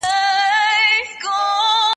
زه پرون سبزیحات تياروم وم؟